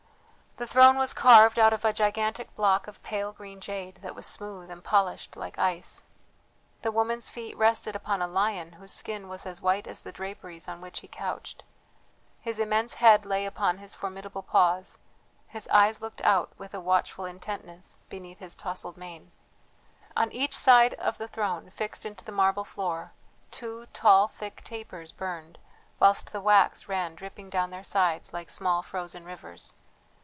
The throne was carved out of a gigantic block of pale green jade that was smooth and polished like ice. The woman's feet rested upon a lion whose skin was as white as the draperies on which he couched. His immense head lay upon his formidable paws, his eyes looked out, with a watchful intentness, beneath his tousled mane. On each side of the throne, fixed into the marble floor, two tall thick tapers burned, whilst the wax ran dripping down their sides like small frozen rivers.